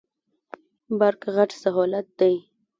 برق غټ سهولت دی.